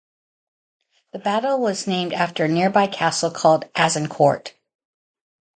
The battle was named after a nearby castle called Azincourt.